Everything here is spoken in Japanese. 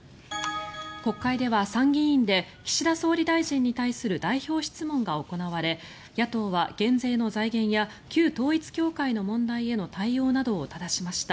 国会では参議院で岸田総理大臣に対する代表質問が行われ野党は減税の財源や旧統一教会の問題への対応などをただしました。